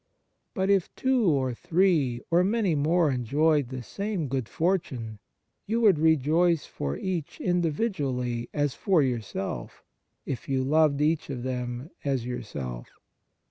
But if two or three or many more enjoyed the same good fortune, you would rejoice for each individually as for yourself, if you loved each of them as yourself.